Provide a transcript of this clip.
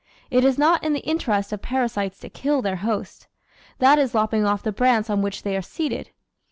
It is not in the interest of parasites to kill their host; that is lopping off the branch on which they are seated.